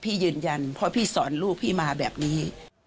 ยืนยันเพราะพี่สอนลูกพี่มาแบบนี้